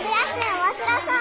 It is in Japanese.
おもしろそう。